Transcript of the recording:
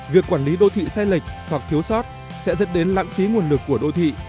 việc quản lý đô thị sai lệch hoặc thiếu sót sẽ dẫn đến lãng phí nguồn lực của đô thị